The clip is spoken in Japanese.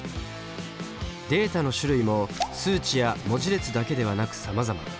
データの種類も数値や文字列だけではなくさまざま。